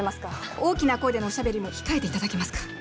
大きな声でのおしゃべりも控えて頂けますか。